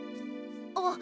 あっ。